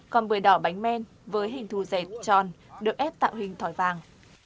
còn bưởi đỏ bánh men với hình thù dệt tròn được ép tạo hình thỏi vàng